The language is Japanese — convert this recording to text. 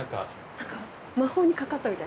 何か魔法にかかったみたい。